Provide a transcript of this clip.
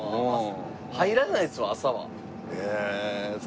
入らないですわ朝は。